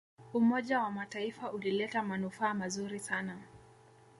umoja wa mataifa ulileta manufaa mazuri sana